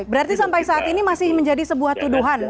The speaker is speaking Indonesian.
berarti sampai saat ini masih menjadi sebuah tuduhan